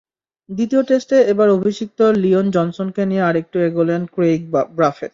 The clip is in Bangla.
দ্বিতীয় টেস্টে এবার অভিষিক্ত লিওন জনসনকে নিয়ে আরেকটু এগোলেন ক্রেইগ ব্রাফেট।